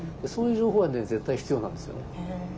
そういう情報は絶対必要なんですよね。